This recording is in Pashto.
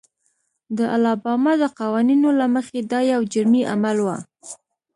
د الاباما د قوانینو له مخې دا یو جرمي عمل و.